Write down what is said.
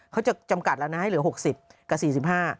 เขาจะจำกัดแล้วนะให้เหลือ๖๐กับ๔๕